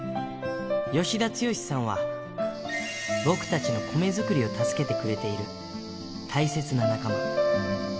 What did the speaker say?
吉田建さんは、僕たちの米作りを助けてくれている大切な仲間。